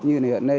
như hiện nay